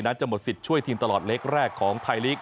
จะหมดสิทธิ์ช่วยทีมตลอดเล็กแรกของไทยลีก